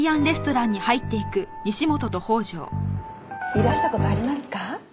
いらした事ありますか？